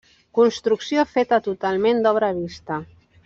Construcció feta totalment d'obra vista.